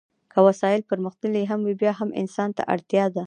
که وسایل پرمختللي هم وي بیا هم انسان ته اړتیا ده.